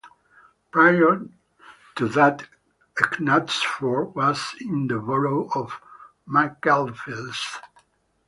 Prior to that Knutsford was in the Borough of Macclesfield.